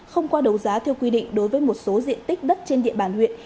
không qua đấu giá theo quy định đối với một số diện tích đất trên địa bàn huyện